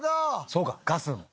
そうかガスも！